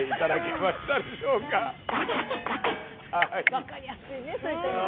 分かりやすいねそういった意味でね。